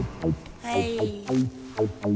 はい。